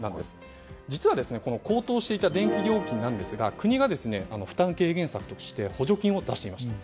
実は高騰していた電気料金なんですが国が負担軽減策として補助金を出していました。